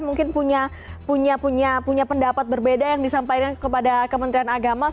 mungkin punya pendapat berbeda yang disampaikan kepada kementerian agama